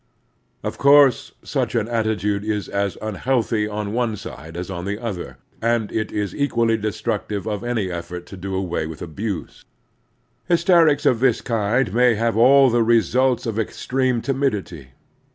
Of course such an attitude is as uiJiealthy on one side as on the other, and it is equally destructive of any effort to do away with abuse. Hysterics of this kind may have all the re sults of extreme timidity.